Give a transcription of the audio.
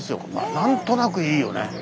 何となくいいよね。